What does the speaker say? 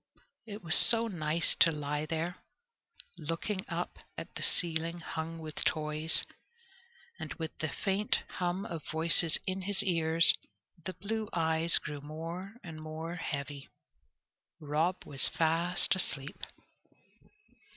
It was so nice to lie there, looking up at the ceiling hung with toys, and with the faint hum of voices in his ears. The blue eyes grew more and more heavy. Rob was fast asleep.